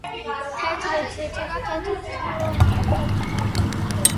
კლასიკური ხანის ქართული საერო მწერლობის ძეგლის „ამირანდარეჯანიანის“ ავტორი.